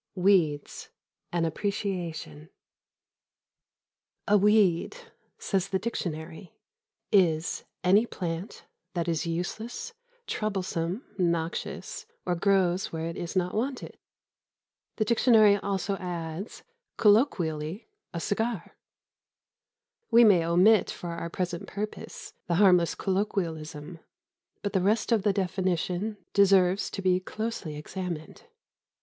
XX WEEDS: AN APPRECIATION A weed, says the dictionary, is "any plant that is useless, troublesome, noxious or grows where it is not wanted." The dictionary also adds: "colloq., a cigar." We may omit for our present purpose the harmless colloquialism, but the rest of the definition deserves to be closely examined.